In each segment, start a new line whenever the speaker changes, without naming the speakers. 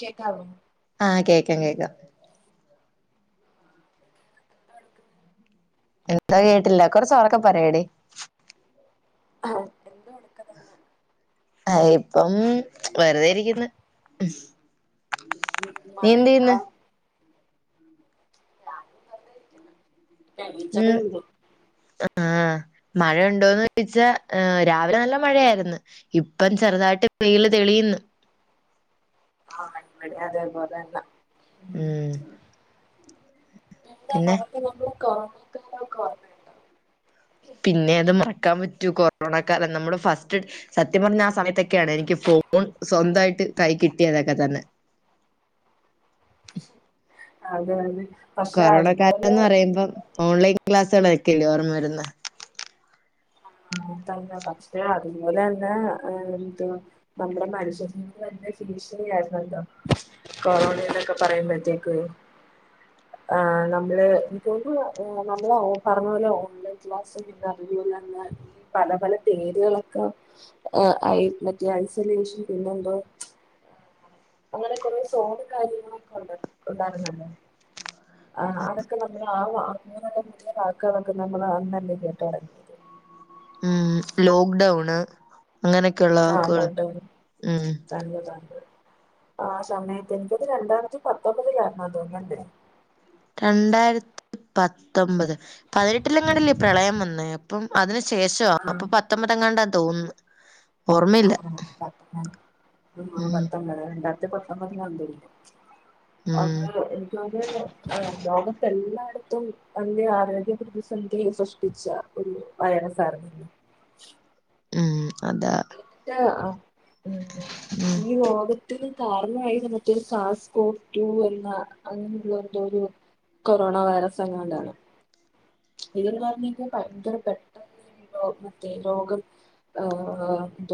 കേക്കാവും
ചങ്ങേക്ക എന്താ കേട്ടില്ല കുറച്ചൊറക്കെ പറയടേ
ഹാ
ആ ഇപ്പം വെറുതെ ഇരിക്കുന്നു
ഉ മഴയുണ്ടോ ഇപ്പ എണീച്ചതേ
ഉം
ഉള്ളൂ
ആ മഴയ ഉണ്ടോന്ന് ചോദിച്ചാ രാവിലെ നല്ല മഴയായിരുന്നു ഇപ്പം ചെറുതായിട്ട് വെയിൽ ത മതിന്ന്
ആ അതേപോലെന്ന
മ്മ്
എന്താ നടക്ക് നമ്മൾ കാരണക്കാരായി കാണേണ്ട
പിന്നെ അത് ക്കാൻ പറ്റൂ കൊറോണ കാലം നമ്മുടെ ഫസ്റ്റ് സത്യം പറഞ്ഞ ആ സമയത്തൊക്കെയാണ് എനിക്ക് ഫോൺ സ്വന്തമായിട്ട് കൈ കിട്ടിയതൊക്കെ തന്നെ
അത് വത്
കൊറോണ കാലംന്ന് പറയുമ്പം ഓൺലൈൻ ക്ലാസ്സുകൊക്കല്ലേ ഓർമ്മ വരുന്ന
ആ തന്നെ പക്ഷെ അതുപോലെ തന്നെ എന്ത് നമ്മുടെ മനുഷ്യ ഭീഷണി ആയിരുന്നുന്ത കൊറോണ എന്നൊക്കെ പറയുമ്പോഴത്തേക്ക ആ നമ്മള് എനിക്കന്ന് നമ്മള് പറഞ്ഞ പോലെ ഓൺലൈൻ ക്ലാസും പിന്ന നന്നാ പല പല പേരുകളൊക്കെ മറ്റേ ഐസൊലേഷൻ പിന്നെന്തോ അങ്ങനെ കുറെ സോറ് കാര്യങ്ങളൊക്കെ ഉണ്ട് ഉണ്ടായിരുന്നല്ലോ ആ അതൊക്കെ നമ്മള് ആക്കാനൊക്കെ നമ്മള് അ
ഉം ലോക്ക്ഡൌണ്
ആഹ് ലോക്ക്ഡൗണ്
ഉം
[unintelligible] ആ സമയത്ത് എനിക്കത് രണ്ടായിരത്തി പത്തൊമ്പതിലായിരുന്നു തോന്ന എന്ത
രണ്ടായിരത്തി പത്തൊമ്പത് പതിനെട്ടിലങ്ങാണ്ടില്ലേ പ്രളയം വന്ന് അപ്പം അതിന് ശേഷവാ
ആ
അപ്പൊ പത്തൊമ്പതങ്ങാണ്ടാ തോന്നുന്നു
ആ
ഓർമ്മയില്ല.
പ
ഉം
പത്തൊമ്പത് രണ്ടായിരത്തി പത്തൊമ്പതിന്തണ്ട്
ഉം
അത് എനിക്ക് ലോകത്തെല്ലായിടും അതി ആരോഗ്യ പ്രതിസന്ധി സൃഷ്ടിച്ച ഒരു വയ്റസാണ്
ഉം അതാ
ആ ഈ ലോകത്തിന് കാരണമായിട്ട് കാസ്കോ ടു എന്ന അങ്ങനെയുള്ള എന്തോ ഒരു കൊറോണ വൈറസ് എങ്ങോണ്ടാണ് ഇതന്ന് പറഞ്ഞാ ഭയങ്കര പെട്ടെന്ന് മറ്റേ രോഗം ആഹ എന്ത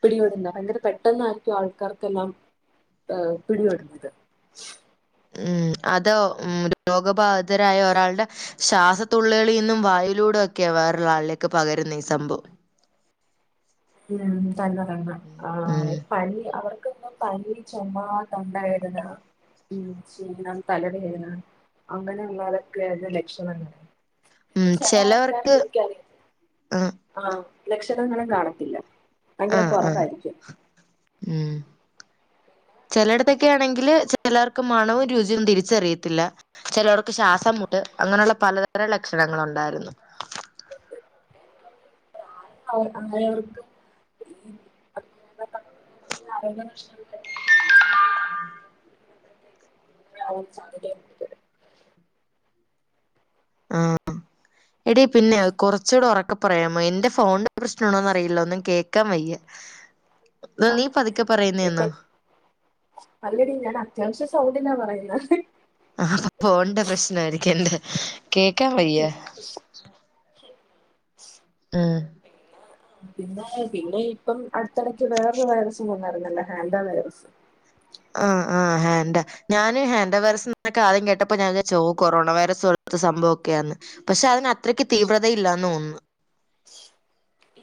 പിടികെടുന്ന ഭയങ്കര പെട്ടെന്നായിരിക്കും ആൾക്കാർക്കെല്ലാം ആഹ പിടിവടത്
ഉം അത ഉ രോഗബാധിതരായ ഒരാളുടെ ശ്വാസത്തുള്ളുകളളിൽ നിന്നും വായലൂടെ ഒക്കെ വേറ ആളിലേക്ക് പകരുന്ന ഈ സംഭവം
ഉം തന്ന തന്ന ആ
ഉം
പനി അവർ പനി ചുമാ തൊണ്ടായതുന്നാ ഉംക്ഷീണം തലവേദന അങ്ങനെയുള്ളതൊക്കെ ലക്ഷണം എങ്ങനെ
ഉം
ചില ആൾക്കാര
ചെലവർക്ക്
എനിക്കറിയത്
ആഹ്
ആ ലക്ഷണങ്ങളൾ കാണണം ഭയങ്കര
ആഹ് ആഹ്
കുറവായിരിക്കും
ചിലയിടത്തൊക്കെ ആണെങ്കിൽ ചിലർക്ക് മണവും രുചിയും തിരിച്ചറിയത്തില്ല ചിലവർക്ക് ശ്വാസം അങ്ങനെയുള്ള പലതരം ലക്ഷണങ്ങ ഉണ്ടായിരുന്നു
വെ ആരോർക്കും അപ [unintelligible] ൻ സാധ്യതയ
ആ എടി പിന്നെ കുറച്ചൂടെ ഉറക്കെ പറയാമോ എന്റെ ഫോണ എ പ്രശ്നുണോന്ന് അറിയില്ല ഒന്നും കേക്കാൻ വയ്യ എന്നാ നീ പതുക്കെ
പ്പ
പറയുന്നേന്നോ
പല്ലടിന്നാണ് അത്യാവശ്യ സൗം പറയുന്നത്
ആ അപ്പ പോണ് ണ്ട പ്രശ്ന ആരിക്കല്ലേ കേക്കാ വയ്യ ഉം
പിന്നെ പിന്നെ ഇപ്പം അടുത്തിടയ്ക്ക് വേറൊരു വൈറസും വന്ന നല്ല ഹാൻഡ വൈറസ്
ആ ആ ഹേൻഡാ ഞാനും ഹേൻ് വൈറസ്ക്കെ ആദ്യം കേട്ടപ്പോ ഞാൻ ചാരിച്ചു കൊറോണ വൈറസ് സംഭവംക്കെയന്ന് പക്ഷെ അതിന് അത്രക്ക് തീവ്രത ഇല്ലാന്ന് തോന്നുന്നു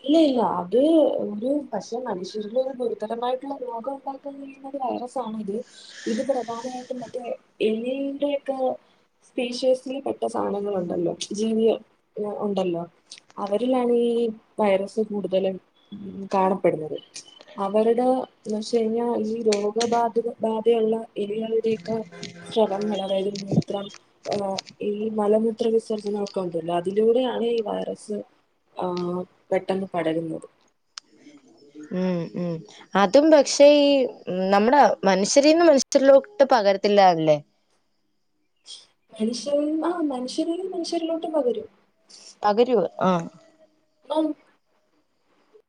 ഇല്ല ഇല്ല അത് ഒരു പക്ഷെ മനുഷ്യരിൽ ഒരു ഗുരുതരമായിട്ടുള്ള രോഗം ഉണ്ടാക്കാ വൈറസ് ആണ ഇത് ഇത് പ്രധാനമായിട്ടും മറ്റേ എലി യുടെ ഒക്കെ സ്പീഷ്യസിൽ പെട്ട സാധനങ്ങളണ്ടല്ലോ ജീവി ഉണ്ടല്ലോ അവരിലാണ് ഈ ഈ വൈറസ് കൂടുതലും കാണപ്പെടുന്നത് അവരുടെന്ന് വച്ച കഴിഞ്ഞാൽ ഈ രോഗബാധിത ബാധയുള്ള എലികളുടെ ടെയൊക്കെ ശ്രവങ്ങൾ അതായത് മൂത്രം ഹ ഈ മലമൂത്ര വിസർജനം ഒക്കെ ഉണ്ടല്ലോ അതിലൂടെയാണ് ഈ വൈറസ് ആഹ പെട്ടെന്ന് പടരുന്നത്
ഉം ഉം അതും പക്ഷെ നമ്മുടെ മനുഷ്യരിൽന്ന് മനുഷ്യരിലോട്ട് പകര തില്ല അല്ലെ
മനുഷ്യർ ആ മനുഷ്യരിൽ നിന്ന് മനുഷ്യരിലോട്ടും പകരും
പകരുവ് ആഹ
ആ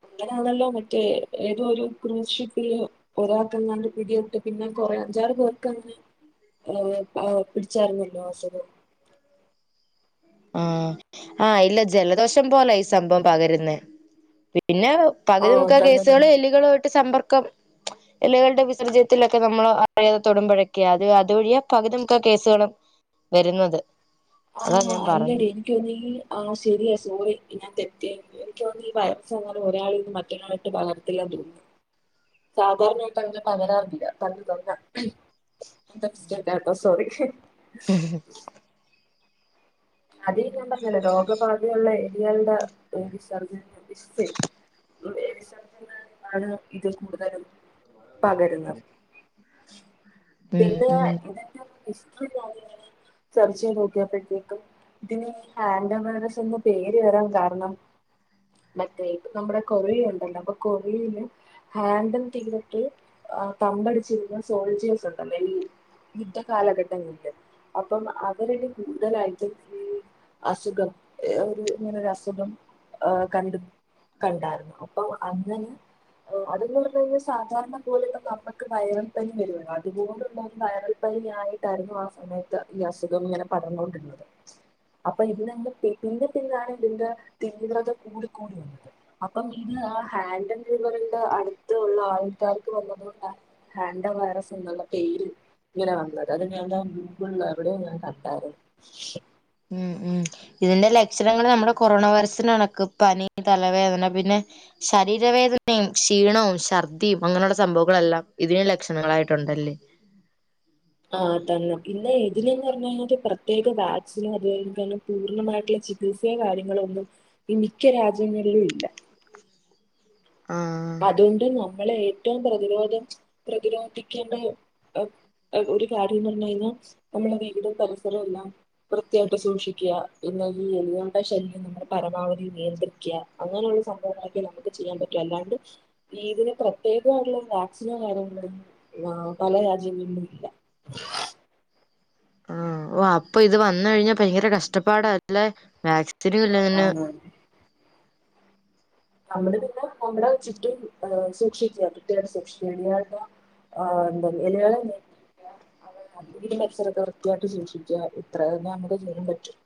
അങ്ങനെയാണല്ലോ മറ്റേ ഏതോ ഒരു കൃഷി ഒരാക്കാണ്ട് പിടിട്ട് പിന്നെ കൊറ അഞ്ചാറ് പേർക്ക് അങ്ങനെ ഏ പിടിച്ചായിരുന്നല്ലോ അസുഖം
ആഹ ആഹ ഇല്ല ജലദോഷം പോലെ ഈ സംഭവം പകരന്നേ പിന്നെ പകുതി
ആഹ്
മുക്ക
തന്നത്
കേസുകള് എലികളുമായിട്ട് സമ്പർക്കം ഇലകളുടെ വിസർജ്യത്തിലൊക്കെ നമ്മൾ അറിയാതെ തൊടുമ്പോഴൊക്കെയാ അത് അത്വഴിയാ പകുതമുക്ക് കേസുകളും വരുന്നത് അതാ
ആഹ്
ഞാൻ പറഞ്ഞെ
അല്ലടീ എനിക്ക് തന്നെങ്കി ആ ശരിയ സോറി ഞാൻ തെറ്റി ഇോ ഈ വയർച്ചന്നാലും ഒരാളന്നന്ന് മറ്റൊരാളായിട്ട് പകർത്തില്ല തോന്നുന്നു സാധാരണായിട്ട് അങ്ങനെ പകരാറില്ല [unintelligible] [unintelligible] എ സോറി അത ഞാൻ പറഞ്ഞല്ല രോഗബാധയുള്ള എലികളുടെ വിസർജന [unintelligible] താണ് ഇത് കൂടുതലും പകരുന്നത്
ഉം
പിന്നെ
ഉം
ഇത ചർച്ചി പോകയാ പെതിക്ക ഇതിന് ആൻഡവൈറസ് എന്ന് പേര് വരാൻ കാരണം മറ്റേ ഇപ്പ നമ്മുടെ കൊറിയ ഉണ്ടല്ലോ അപ്പൊ കൊറും ഹാൻഡും തീരട്ട ആ തമ്പടിച്ചിുന്ന സോൾജിയേസ് ഉണ്ടല്ലോ ഈ യുദ്ധ കാലഘട്ടങ്ങളില് അപ്പം അവരടെ കൂടുതലായിട്ടും അസുഖം ഒരു ഇങ്ങനെ ഒരു അസുഖം കണ്ടു കണ്ടായിരുന്നു അപ്പൊ അങ്ങനെ അതന്ന് പറഞ്ഞ കഴിഞ്ഞാൽ അതുന്ന് സാധാരണ പോലെുള്ള നമ്മുക്ക് വയറൽപ്പനി വര അഅതുപോലുള്ള വയറൽ പനി യായിട്ടായിരുന്നു ആ സമയത്ത് ഈ അസുഖം ഇങ്ങനെ പടന്നൊണ്ടിരത് അപ്പൊ ഇതി എന്റെ പിന്നെ പിന്നാണ് ഇതിന്റെ തീവ്രത കൂടി കൂടി വന്നത് അപ്പം ഇത് ആ ഹാൻഡ് ആ് വറിന്റെ അടുത്ത ഉള്ള ആൾക്കാർക്ക് വന്നതകൊണ്ടാണ് ഹാന്ഡ വൈറസ് എന്നുള്ള പേര് ഇങ്ങനെ വന്നത് അത് ഞന്താ ഗൂഗിള അവിടെ ഞാൻ കട്ടാറ്
ഉം ഉം ഇതിന്റെ ലക്ഷണങ്ങൾ നമ്മുടെ കൊറോണ വൈറസിന് കണക്ക് പനി തലവേദന പിന്നെ ശരീര ലവേദനയും ക്ഷീണവും ശർദ്ദിയും അങ്ങനെയുള്ള സംഭവങ്ങളെല്ലാം ഇതിന് ലക്ഷണങ്ങളായിട്ടുണ്ടല്ലേ
ആഹ തന്നെ പിന്ന ഇതിനന്ന് പറഞ്ഞല് പ്ര പ്രത്യേക വാക്സിനോ അന്നെ പൂർണ്ണമായിട്ടുള്ള ചികിത്സയോ കാര്യങ്ങളോ ഒന്നുംഈ മിക്ക രാജ്യങ്ങള ഇല്ല
ആഹ്
അതുകൊണ്ട് നമ്മള ഏറ്റവും പ്രതിരോധം പ്രതിരോധിക്കേണ്ട ഒരു കാര്യം എന്ന് പറഞ്ഞു കഴിഞ്ഞാൽ നമ്മുടെ വീടും പരിസരവും എല്ലാം വൃത്തിയായിട്ട് സൂക്ഷിക്കുക പിന്നാ ഈ എലികളുടെ ശല്യം നമ്മൾ പരമാവധി നിയന്ത്രിക്കുക അങ്ങനെ.... [unintelligible] നമുക്ക് ചെയ്യാൻ പറ്റും അല്ലാ..... ഇതിന് പ്രത്യേകമായിട്ടുള്ള വാക്സിനോ കാര്യങ്ങളൊന്നും പല രാജ്യങ്ങളന്നും ഇല്ല. [unintelligible]
ആ ഓ അപ്പൊ ഇത് വന്ന കഴിഞ്ഞാ ഭയങ്കര കഷ്ടപ്പാടല്ല...... [unintelligible]
ആണ് നമ്മള് പിന്നെ നമ്മടെ ചുറ്റും സൂക്ഷിക്കുക [unintelligible] ആഹ എന്താ [unintelligible] എത്ര വൃത്തിയായിട്ട് ശൂക്ഷിക്കുക ഇത്ര തന്നെ നമുക്ക് ചെയ്യ്യൻ പറ്റും......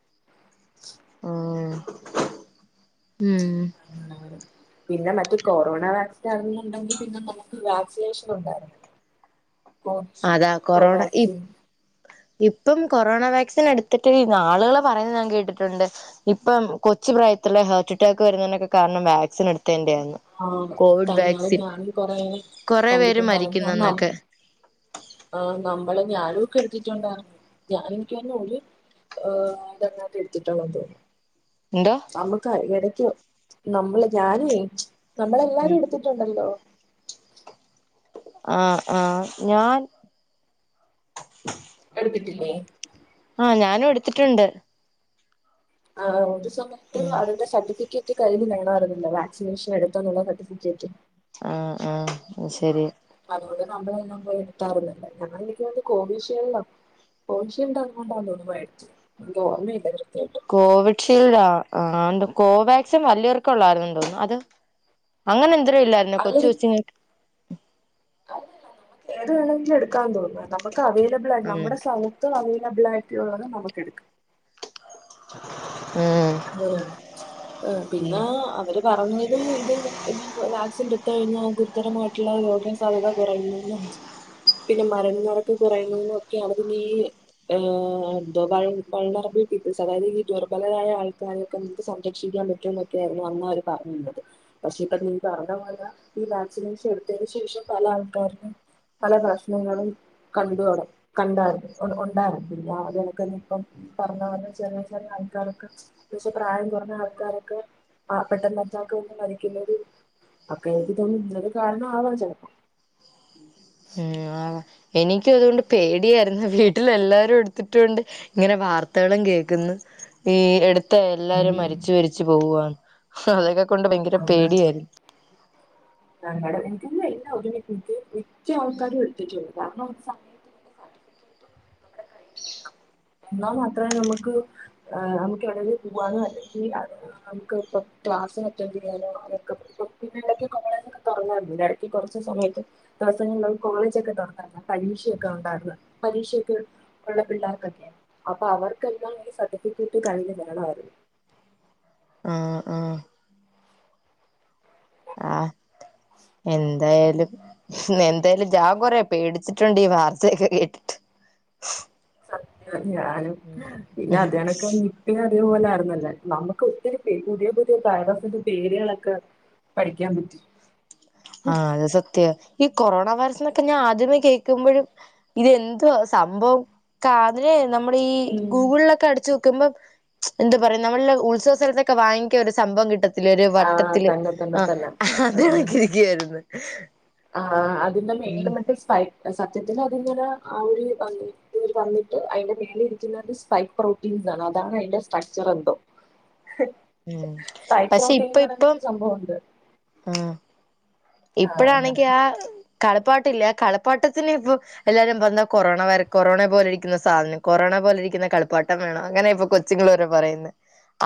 ആഹ.
[unintelligible] പിന്നെ മറ്റ കൊറോണ വാക്സിൻന്നണ്ടെങ്കിൽ പിന്നെ നമുക്ക് വാക്സിനേഷൻ ഉണ്ടായിരുന്നു
അതാ
[unintelligible]
കൊറോണ ഇ
കോവാക്സിൻ
ഇപ്പം കൊറോണ വാക്സിൻ എടുത്തിട്ട്ഈ നാളുകൾ പറയുന്നത് ഞാൻ കേട്ടിട്ടുണ്ട് ഇപ്പം കൊച്ചു....... ഇ ഹാർട്ട് അറ്റാക്ക് വരുന്നതിനൊക്കെ കാരണം വക്സിൻ......
ആഹ്
കോവിഡ്
തന്നെ അത്
വാക്സിൻ
ഞാനും കൊറേ
കൊറേ പേര് മരിക്കുന്നുനോക്കെ
ആഹ നമ്മളെ ഞാനും ഒക്കെ എടുത്തിട്ടുണ്ട ഞാൻ എനി....... ഏ് അതങ്ങക്കെ എടുത്തിതുള്ളത് തോന്നുന്നു.......
എന്തോ
നമുക്ക് ഇടക്കോ നമ്മള് ഞാന........ നമ്മളെല്ലാരും
ഉം
എടുത്തിട്ടുണ്ടല്ലോ.,.....
ആഹ ആഹ ഞാൻ.......
ട്ടില്ലേ..........
ആഹ ഞാനും എടുത്തിട്ടുണ്ട്.
ആ ഒരു സമയത്തും
ഉം
അന്റെ സർട്ടിഫിക്കറ്റ്.......... കയ്യി കാണമായിറുന്നില്ല വാസിനേഷൻ എടുത്തുള്ള സർട്ടിഫിക്കറ്റ്......
ആഹ ആഹ ശരി.......
നമ്മള പോ എടുത്താറുന്നല്ല ഞങ്ങ എ കോവിഷീൽഡ...... പോശ്യണ്ട [unintelligible] ഓർമ്മയില്ല കൃത്യായിട്ട്
കോവിഷീൽഡ ആ ആ...... കോവാക്സിൻ [unintelligible] ല്ലാരന
അല്ലടി
കൊച്ചുച്ചി......
ഏത് വേണമെങ്കിലും എടുക്കാൻ തോന്നുന്നു നമു........ അവൈലബിൾ ആണ് നമ്മുടെ സ്മഹത്ത് അവൈലബിൾ ആയിട്ടുള്ളത് നമുക
ഉം
അങ്ങനെയ പിന്നെ അവര് പറഞ്ഞരും ഇതും വാക്സിൻ...... കഴിഞ്ഞ ഗുരുതരമായിട്ടുള്ള രോഗ സാധ്യത കുറയുന്നു....... പിന്നെ മരണ നിറക്ക് കുറയുന്നൊക്കെയാണ് പിന്നെ ഈ ഏ എന്ത...... അതായത് ഈ ദുർബലരായ...... [unintelligible] ഈ വാക്സിനേഷൻ എടുത്തതിനന് ശേഷം പല ആൾക്കാാരും....... പല പ്രശ്നങ്ങളും കണ്ടട കണ്ടായിരുന്നു ഉണ്ടായിരുന്നില്ല അത്ക്കന്ന ഇപ പറഞ്ഞ പറഞ്ഞ ചെറിയ ചെറിയ ആൾക്കാരൊക്കെ...... പക്ഷെ പ്രായം കുറഞ്ഞ ആൾക്കാ... അക്കൊ എനിക്ക കാരണം ആവാ ചെിലപ്പം
ഉ ആ....... എനിക്കും [unintelligible] ഈ....... മ എല്ലാരും
ഉം
മരിച്ചു........
ങ്ക എനക്ക് എല്ല എനിക്ക് മറ്റ ആൾക്കാരും എടുത്തിട്ടുുള്ളണ്ട് കാരണം..... സർട്ടിഫിക്കറ്റ് നമ്മുടെ കയ്യിൽ [unintelligible] [unintelligible] [unintelligible] അപ്പൊ അവർക്കെല്ലാം ഈ സർട്ടിഫിക്കറ്റ് കയ്യില് വേണമായിരുന്ന്.
ആഹ ആഹ എന്തായാലും എന്തായാലും ജാ കൊറ പേടിച്ചിട്ടുണ്ട് ഈ വാർത്തയൊക്കെ കേട്ടിട്ട്
[inaudible] ഞാനും പിന്നെ
ഉം
അതണക്കെ ഇപ്പ പോലൊയിരുന്നല്ലേ നമുക്ക് ഒത്തിരി പുതിയ പുതിയ വൈറസിന്റെ പേരുകളൊക്കെ പഠിക്കാൻ പറ്റി
ആഹ അത് സത്യ ഈ കൊറോണ വൈറസ് എന്നൊക്കെ ഞാൻ ആദ്യമേ കേൾക്കുമ്പോഴും ഇത് എന്തുവാ സംഭവം കാതിൽ നമ്മൾീഈ ഗൂഗിളിലൊക്കെ അടച്ച്ു നോക്കുമ്പോം എന്താ പറയാ നമ്മളുടെ ഉത്സവസ്ഥഥലത്തൊക്കെ വാങ്ങിക്കിയ ഒരു സംഭവം കിട്ടുന്ന വട്ടത്തില് ഒരു
ആ
വട്ടത്തില്
തന്നെ തന്നെ
ആ
തന്നെ
അത്
ആ
മതി [unintelligible]
[unintelligible] [unintelligible] അതാണ്
ഉം
അതിന്റെ സ്ട്രക്ചർ എന്തോ
ഉം പക്ഷെ ഇപ്പ
സൈപ്രോട്ടീൻന്ന് പറന്ത
ഇപ്പം
ഒരു സംഭവുണ്ട്
ആഹ് ഇപ്പഴാണെങ്കി ആ കളിപ്പാട്ടില്ല ആ കളിപ്പാട്ടത്തിന് ഇപ്പ കളിപ്പാട്ടം ഇല്ലേ കലിപ്പാട്ടത്തിന് പ്പം എല്ലാരും പറേണ കൊറോണ കൊറോണ പോലിരിക്കുന്ന സാധനം കോർണ ക അപോലെരിക്കുന്ന കളിപ്പാട്ടം വേണം അങ്ങനെ ഇപ്പൊ കൊച്ചിംഗ്ള് ഓരോ പറയുന്നെ.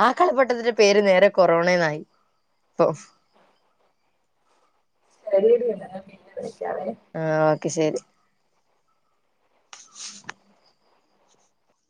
ആ കളിപ്പാട്ടത്തിന്റെ പേര് നേരെ കൊറോണന്നായി, ഇപ്പൊ.
[unintelligible]
ആഹ ഓക്കെ ശരി